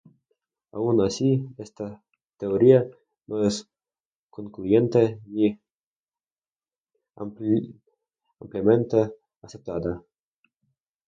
Aun así, esta teoría no es concluyente ni ampliamente aceptada.